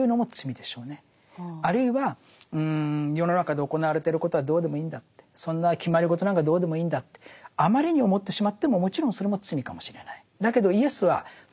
あるいは世の中で行われてることはどうでもいいんだってそんな決まり事なんかどうでもいいんだってあまりに思ってしまってももちろんそれも罪かもしれない。